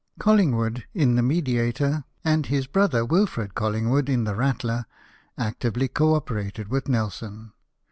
CoUingwood, in the Mediator, and his brother, Wilfred CoUingwood, in the Rattler, actively co operated with Nelson.